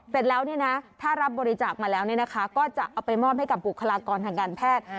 เสร็จแล้วเนี่ยนะถ้ารับบริจาคมาแล้วก็จะเอาไปมอบให้กับบุคลากรทางการแพทย์